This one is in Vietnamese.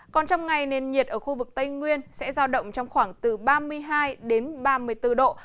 còn trong ngày nền nhiệt ở khu vực tây nguyên sẽ giao động trong khoảng từ ba mươi hai ba mươi bốn độ